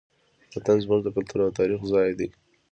وطن زموږ د کلتور او تاریخ ځای دی.